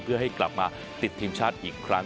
เพื่อให้กลับมาติดทีมชาติอีกครั้ง